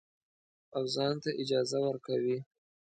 او ځان ته اجازه ورکوي.